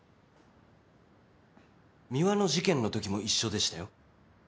美和の事件のときも一緒でしたよ。